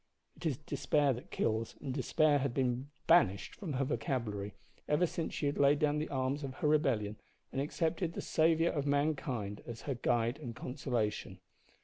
It is despair that kills, and despair had been banished from her vocabulary ever since she had laid down the arms of her rebellion and accepted the Saviour of mankind as her guide and consolation.